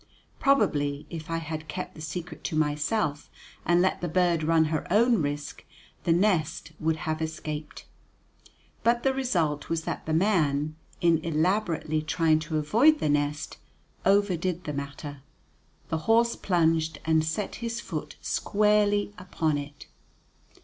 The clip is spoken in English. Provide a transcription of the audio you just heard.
Probably if I had kept the secret to myself, and let the bird run her own risk, the nest would have escaped. But the result was that the man, in elaborately trying to avoid the nest, overdid the matter; the horse plunged, and set his foot squarely upon it.